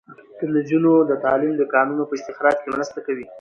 د نجونو تعلیم د کانونو په استخراج کې مرسته کوي.